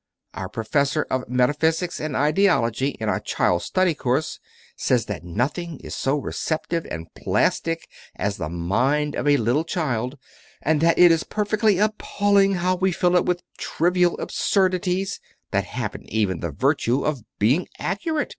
Our Professor of Metaphysics and Ideology in our Child Study Course says that nothing is so receptive and plastic as the Mind of a Little Child, and that it is perfectly appalling how we fill it with trivial absurdities that haven't even the virtue of being accurate.